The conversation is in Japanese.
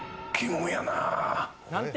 何て。